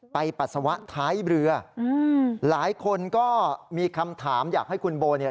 ปัสสาวะท้ายเรืออืมหลายคนก็มีคำถามอยากให้คุณโบเนี่ย